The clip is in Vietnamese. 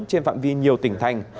trên phạm vi nhiều tỉnh thành